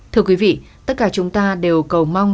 thưa quý vị tất cả chúng ta đều cầu mong